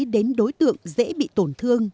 đến đối tượng dễ bị tổn thương